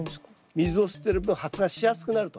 水を吸ってる分発芽しやすくなると。